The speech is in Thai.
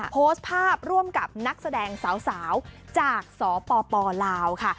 โพสต์ภาพร่วมกับนักแสดงสาวจากสปลาวค่ะ